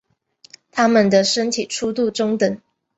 它们的身体粗度中等。